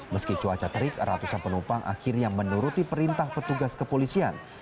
meski cuaca terik ratusan penumpang akhirnya menuruti perintah petugas kepolisian